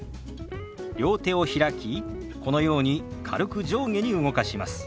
両手を開きこのように軽く上下に動かします。